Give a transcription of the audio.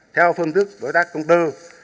theo phương tức đối tác công tư